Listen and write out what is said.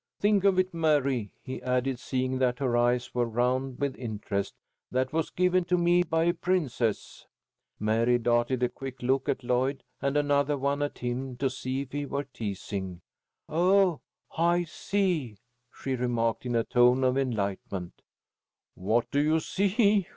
"Think of it, Mary," he added, seeing that her eyes were round with interest, "that was given to me by a princess." Mary darted a quick look at Lloyd and another one at him to see if he were teasing. "Oh, I see!" she remarked, in a tone of enlightenment. "What do you see?"